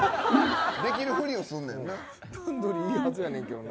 できるふりをするんやろうな。